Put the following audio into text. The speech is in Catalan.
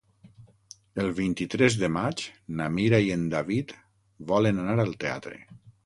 El vint-i-tres de maig na Mira i en David volen anar al teatre.